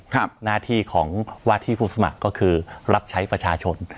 หน้าที่ของว่าที่ผู้สมัครก็คือรับใช้ประชาชน